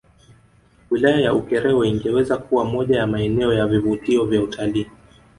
Wilaya ya Ukerewe ingeweza kuwa moja ya maeneo ya vivutio vya utalii